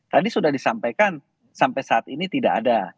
tadi sudah disampaikan sampai saat ini tidak ada